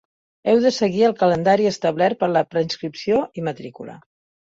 Heu de seguir el calendari establert per a la preinscripció i matrícula.